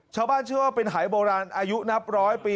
เชื่อว่าเป็นหายโบราณอายุนับร้อยปี